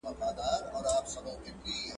زه کولای سم مرسته وکړم!!